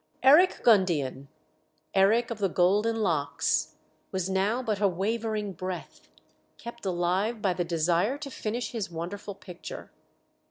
Eric Gundian Eric of the golden locks was now but a wavering breath, kept alive by the desire to finish his wonderful picture.